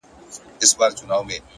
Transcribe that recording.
اوس مي د سپين قلم زهره چاودلې!!